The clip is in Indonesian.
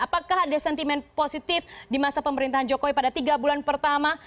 apakah ada sentimen positif di masa pemerintahan jokowi pada tiga bulan pertama